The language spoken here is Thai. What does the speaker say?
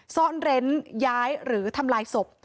ซ่อนเร้นย้ายหรือทำลายศพ